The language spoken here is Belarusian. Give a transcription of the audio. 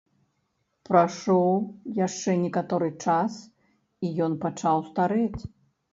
Прайшоў яшчэ некаторы час, і ён пачаў старэць.